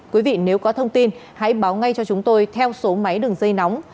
quý vị nếu có thông tin hãy báo ngay cho chúng tôi theo số máy đường dây nóng sáu mươi chín hai trăm ba mươi bốn